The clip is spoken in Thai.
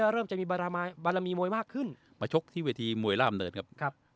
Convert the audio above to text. เริ่มจะมีบารมีมวยมากขึ้นมาชกที่เวทีมวยล่ามเนินครับ